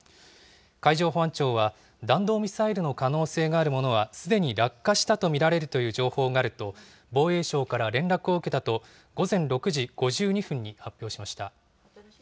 海上保安庁は、弾道ミサイルの可能性があるものはすでに落下したと見られるという情報があると、防衛省から連絡を受けたと、午前６時５２分に発表しました。